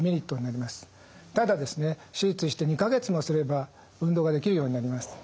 ただですね手術して２か月もすれば運動ができるようになります。